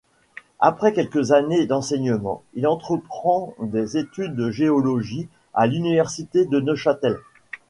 Après quelques années d’enseignement, il entreprend des études de géologie à l’université de Neuchâtel.